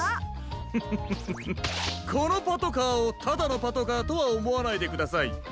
フフフフこのパトカーをただのパトカーとはおもわないでください。